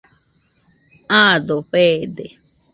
Aado feede.